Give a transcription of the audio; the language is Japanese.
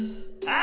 あ。